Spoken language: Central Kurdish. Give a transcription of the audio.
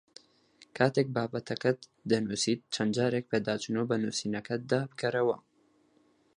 کاتێک بابەتەکەت دەنووسیت چەند جارێک پێداچوونەوە بە نووسینەکەتدا بکەرەوە